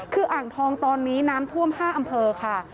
คืออ่างทองตอนนี้น้ำท่วม๕อำเภอค่ะ